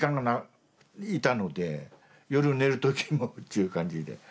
夜寝る時もっちゅう感じで。